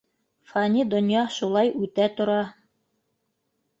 Фани донъя шулай үтә тора.